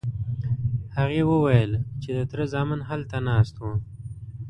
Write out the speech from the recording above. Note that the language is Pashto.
هغې وویل چې د تره زامن هلته ناست وو.